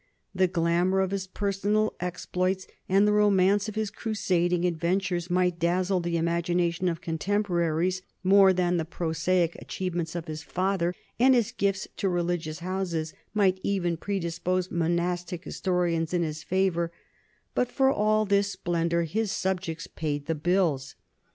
The glamour of his personal exploits and the romance of his crusading adventures might dazzle the imagination of contempo raries more than the prosaic achievements of his father, NORMANDY AND FRANCE 121 and his gifts to religious houses might even predispose monastic historians in his favor, but for all this splendor his subjects paid the bills.